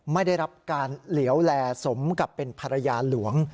ไม่ได้รับการเหลวแลสมกับเป็นภรรยาหลวง